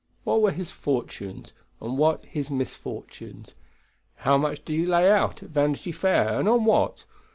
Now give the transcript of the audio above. What were his fortunes, and what his misfortunes? How much did he lay out at Vanity Fair, and on what?